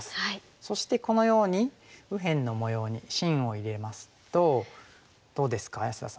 そしてこのように右辺の模様に芯を入れますとどうですか安田さん